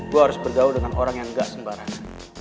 gue harus bergaul dengan orang yang enggak sembarang